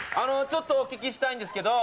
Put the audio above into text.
ちょっとお聞きしたいんですけど。